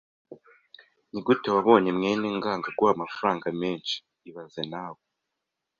Nigute wabonye mwene ngango aguha amafaranga menshi ibaze nawe